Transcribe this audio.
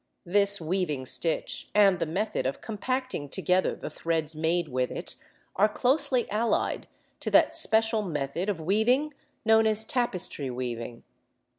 This weaving stitch, and the method of compacting together the threads made with it, are closely allied to that special method of weaving known as tapestry weaving.